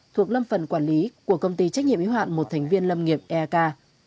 thuộc lâm phần quản lý của công ty trách nhiệm y hoạn một thành viên lâm nghiệp eak